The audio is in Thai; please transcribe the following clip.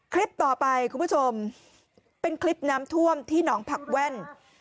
คลิปต่อไปคุณผู้ชมเป็นคลิปน้ำท่วมที่หนองผักแว่น